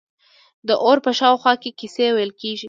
د اور په شاوخوا کې کیسې ویل کیږي.